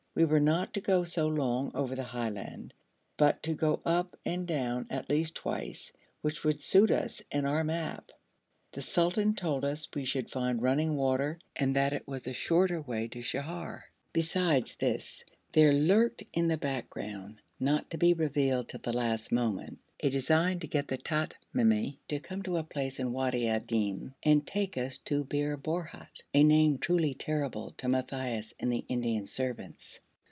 We were not to go so long over the highland, but to go up and down at least twice, which would suit us and our map. The sultan told us we should find running water, and that it was a shorter way to Sheher. Besides this, there lurked in the background, not to be revealed till the last moment, a design to get the Tamimi to come to a place in Wadi Adim and take us to Bir Borhut, a name truly terrible to Matthaios and the Indian servants.